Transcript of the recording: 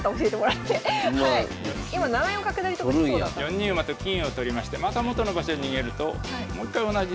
４二馬と金を取りましてまた元の場所に逃げるともう一回同じ手がきますね。